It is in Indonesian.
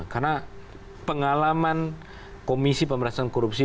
karena pengalaman komisi pemerintahan korupsi